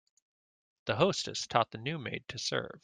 The hostess taught the new maid to serve.